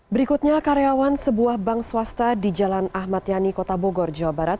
berikutnya karyawan sebuah bank swasta di jalan ahmad yani kota bogor jawa barat